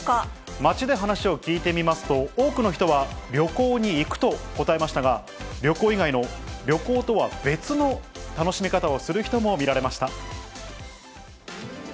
街で話を聞いてみますと、多くの人は旅行に行くと答えましたが、旅行以外の、旅行とは別の楽しみ方をする人も見られました。